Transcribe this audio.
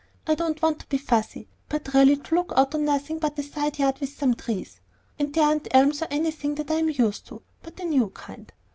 I don't want to be fussy, but really to look out on nothing but a side yard with some trees and they aren't elms or anything that I'm used to, but a new kind.